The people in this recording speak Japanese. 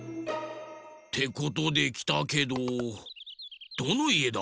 てことできたけどどのいえだ？